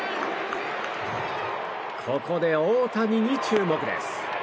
ここで大谷に注目です。